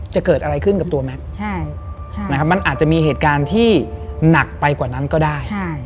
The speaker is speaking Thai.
จะเกิดอะไรขึ้นกับตัวแม็กซ์มันอาจจะมีเหตุการณ์ที่หนักไปกว่านั้นก็ได้